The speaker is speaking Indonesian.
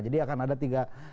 jadi akan ada tiga